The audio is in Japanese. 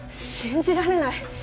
信じられない！